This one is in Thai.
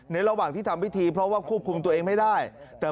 ระหว่างที่ทำพิธีเพราะว่าควบคุมตัวเองไม่ได้